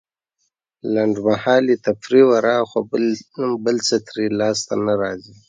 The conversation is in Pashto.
لنډمهالې تفريح وراخوا بل څه ترې لاسته نه راځي.